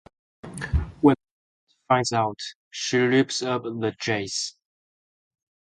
When the aunt finds out, she rips up the dress.